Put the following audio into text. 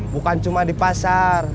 bukan cuma di pasar